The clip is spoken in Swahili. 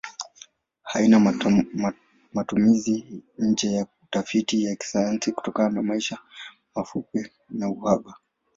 Haina matumizi nje ya utafiti wa kisayansi kutokana maisha mafupi na uhaba.